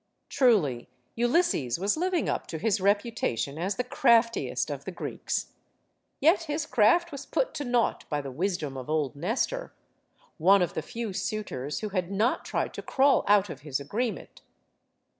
Truly, Ulysses was living up to his reputation as the craftiest of the Greeks. Yet his craft was put to naught by the wisdom of old Nestor one of the few suitors who had not tried to crawl out of his agreement.